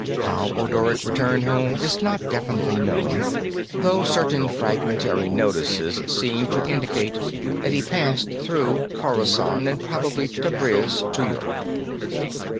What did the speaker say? How Odoric returned home is not definitely known, though certain fragmentary notices seem to indicate that he passed through Khorasan and probably Tabriz to Europe.